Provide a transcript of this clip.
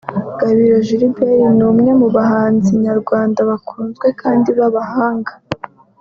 Gabiro Gilbert ni umwe mu bahanzi nyarwanda bakunzwe kandi b'abahanga